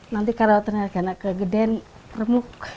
nanti karena tenaga tenaga geden remuk